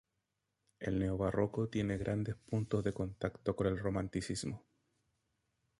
El neobarroco tiene grandes puntos de contacto con el Romanticismo.